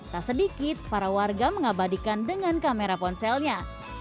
tak sedikit para warga mengabadikan dengan kamera ponselnya